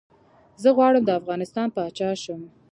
زه غواړم ده افغانستان پاچا شم